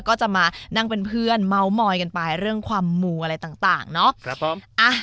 ก็จะมานั่งเป็นเพื่อนเมาส์มอยกันไปเรื่องความมูอะไรต่างเนาะ